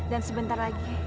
dan sebentar lagi